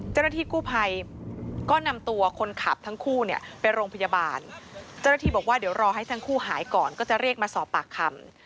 เจ้าหน้าที่กู้ภัยก็นำตัวคนขับทั้งคู่เนี่ยไปโรงพยาบาลเจ้าหน้าที่บอกว่าเดี๋ยวรอให้ทั้งคู่หายก่อนก็จะเรียกมาสอบปากคำ